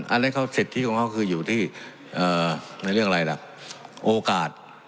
อันนั้นเขาสิทธิของเขาคืออยู่ที่ในเรื่องอะไรล่ะโอกาส